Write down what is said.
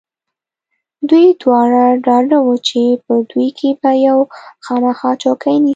دوی دواړه ډاډه و چې په دوی کې به یو خامخا چوکۍ نیسي.